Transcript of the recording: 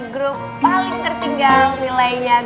grup paling tertinggal nilainya